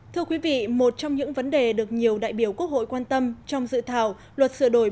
thưa quý vị một trong những vấn đề được nhiều đại biểu quốc hội quan tâm trong dự thảo luật sửa đổi